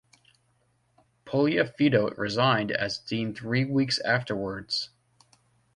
Puliafito resigned as dean three weeks afterwards.